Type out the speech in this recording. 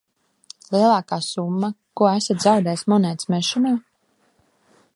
Lielākā summa, ko esat zaudējis monētas mešanā?